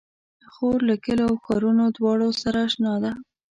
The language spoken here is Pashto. خور له کليو او ښارونو دواړو سره اشنا ده.